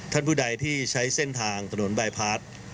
ท่านผู้ใดที่ใช้เส้นทางถนนบายพาร์ท